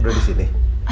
catherine udah disini